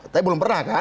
tapi belum pernah kan